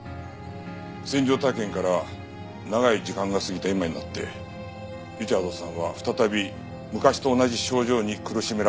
戦場体験から長い時間が過ぎた今になってリチャードさんは再び昔と同じ症状に苦しめられるようになった。